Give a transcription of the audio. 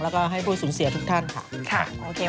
แล้วก็ให้พูดสูญเสียทุกท่านค่ะ